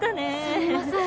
すみません